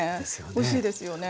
おいしいですよね。